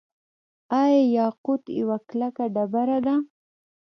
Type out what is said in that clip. آیا یاقوت یوه کلکه ډبره ده؟